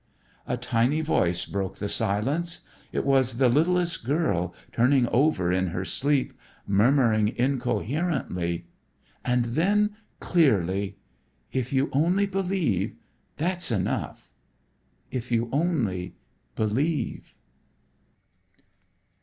A tiny voice broke the silence. It was the littlest girl turning over in her sleep, murmuring incoherently and then clearly: "If you only believe, that's enough; if you only believe."